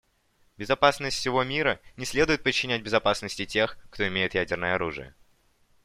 Безопасность всего мира не следует подчинять безопасности тех, кто имеет ядерное оружие.